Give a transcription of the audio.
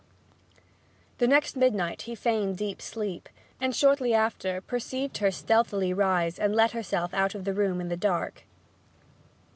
The next midnight he feigned deep sleep, and shortly after perceived her stealthily rise and let herself out of the room in the dark.